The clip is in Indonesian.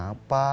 kamu mau pergi